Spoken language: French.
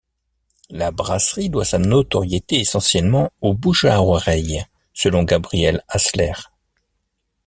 La brasserie doit sa notoriété essentiellement au bouche à oreille, selon Gabriel Hasler.